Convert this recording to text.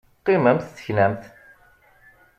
Qqimemt teknamt!